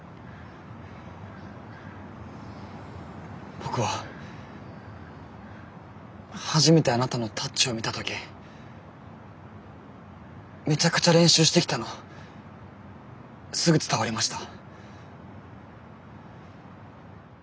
僕は初めてあなたのタッチを見た時めちゃくちゃ練習してきたのすぐ伝わりました。